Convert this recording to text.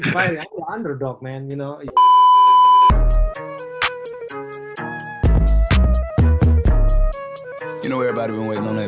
tapi aku mulai dari bawah men